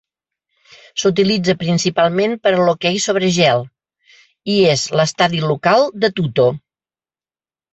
S'utilitza principalment per a l'hoquei sobre gel i és l'estadi local de Tuto.